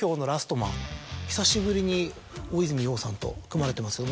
久しぶりに大泉洋さんと組まれてますけど。